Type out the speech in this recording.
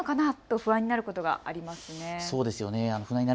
不安になること、ありますよね。